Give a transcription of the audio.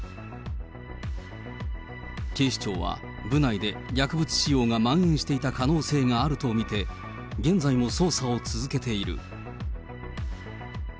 警視庁は部内で薬物使用がまん延していた可能性があると見て、現在も捜査を続けている。